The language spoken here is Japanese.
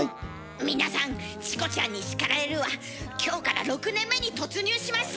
皆さん「チコちゃんに叱られる！」は今日から６年目に突入しました！